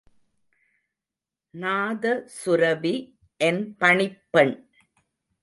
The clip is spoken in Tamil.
நாதசுரபி என் பணிப்பெண்!